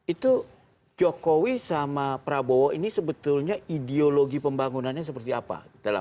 itu jokowi sama prabowo ini sebetulnya ideologi pembangunannya seperti apa